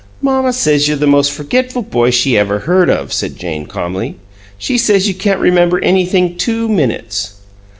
"Mamma says you're the most forgetful boy she ever heard of," said Jane, calmly. "She says you can't remember anything two minutes."